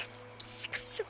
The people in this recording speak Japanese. チクショー！